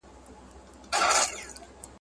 قوالې چي د جنت یې ورکولې ,